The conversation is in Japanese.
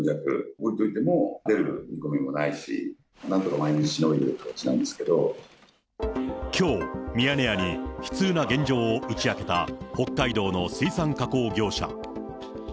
置いといても出る見込みもないし、なんとか毎日しのいでいる感じなきょう、ミヤネ屋に悲痛な現状を打ち明けた、北海道の水産加工業者。